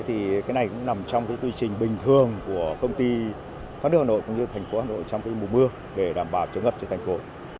thì cái này cũng nằm trong cái quy trình bình thường của công ty thoát nước hà nội cũng như thành phố hà nội trong cái mùa mưa để đảm bảo chống ngập cho thành phố